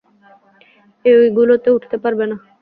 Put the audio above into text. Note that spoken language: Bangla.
এইগুলোতে উঠতে পারবে না।